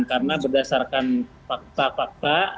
karena berdasarkan fakta fakta